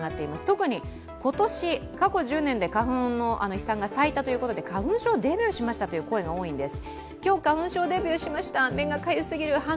特に今年、過去１０年で花粉の飛散が最多ということで花粉症デビューしましたという声が多いんです。